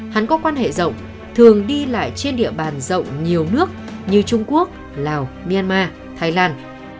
hắn có quan hệ rộng thường đi lại trên địa bàn rộng nhiều nước như trung quốc lào myanmar thái lan